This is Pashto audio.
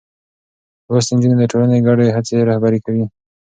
لوستې نجونې د ټولنې ګډې هڅې رهبري کوي.